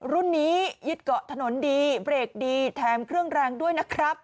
รุ่นนี้ยึดเกาะถนนดีเบรกดีแถมเครื่องแรงด้วยนะครับ